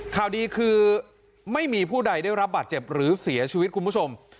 ข่าวดีคือไม่มีผู้ใดได้รับบาดเจ็บหรือเสียชีวิตคุณผู้ชม